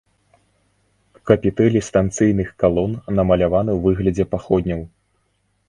Капітэлі станцыйных калон намаляваны ў выглядзе паходняў.